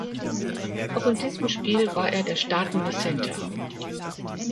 Auch in diesem Spiel war er der startende Center.